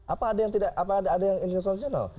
apa ada yang tidak apa ada yang instansional